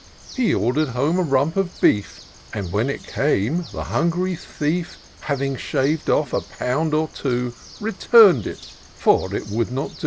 He order'd home a rump of beef; And when it came, the hungry thief, Having shav'd off a pound or two Retum'd it, for it would not do..